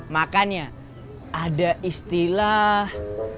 makanya ada istilah